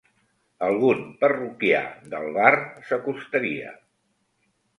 Algun parroquià del bar s'acostaria.